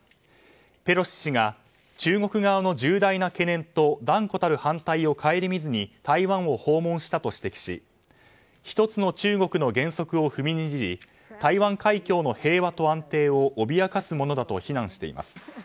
ペロシ氏が中国側の重大な懸念と断固たる反対を顧みずに台湾を訪問したと指摘し一つの中国の原則を踏みにじり台湾海峡の平和と安定を脅かすものだと非難しています。